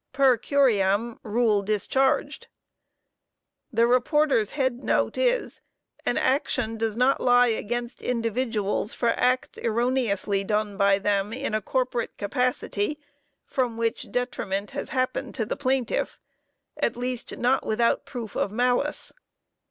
"Per Curiam. Rule discharged." The Reporter's head note is: "An action does not lie against individuals for acts erroneously done by them in a corporate capacity from which detriment has happened to the plaintiff. At least, not without proof of malice."